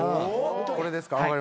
これですか？